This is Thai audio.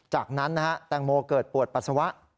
จากนั้นนะฮะแตงโมเกิดปวดปัสสาวะ